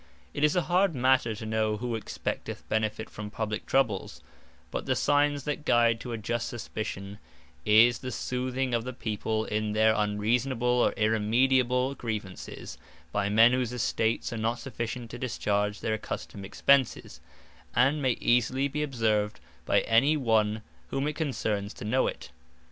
It is a hard matter to know who expecteth benefit from publique troubles; but the signes that guide to a just suspicion, is the soothing of the people in their unreasonable, or irremediable grievances, by men whose estates are not sufficient to discharge their accustomed expences, and may easily be observed by any one whom it concerns to know it.